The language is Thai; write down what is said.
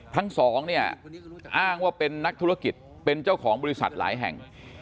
ทั้งสองเนี่ยอ้างว่าเป็นนักธุรกิจเป็นเจ้าของบริษัทหลายแห่ง